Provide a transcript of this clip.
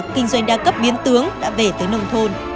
kinh doanh đa cấp biến tướng đã về tới nông thôn